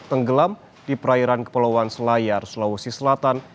tenggelam di perairan kepulauan selayar sulawesi selatan